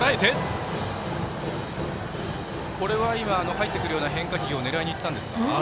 入ってくるような変化球を狙いにいったんですか？